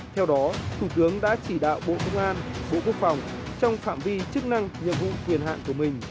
theo đó thủ tướng đã chỉ đạo bộ công an bộ quốc phòng trong phạm vi chức năng nhiệm vụ quyền hạn của mình